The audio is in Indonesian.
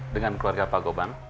dengan keluarga pak gobang